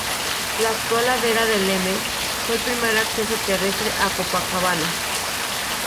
La actual ladera de Leme fue el primer acceso terrestre a Copacabana.